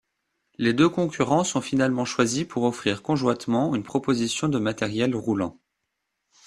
Les deux concurrents sont finalement choisis pour offrir conjointement une proposition de matérial roulant.